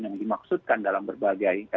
yang dimaksudkan dalam berbagai